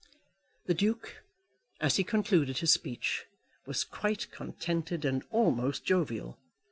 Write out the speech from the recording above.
The Duke, as he concluded his speech, was quite contented, and almost jovial.